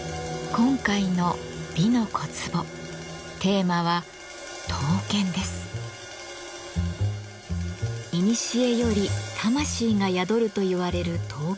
今回の「美の小壺」テーマはいにしえより魂が宿るといわれる刀剣。